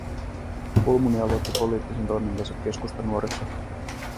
Kulmuni aloitti poliittisen toimintansa Keskustanuorissa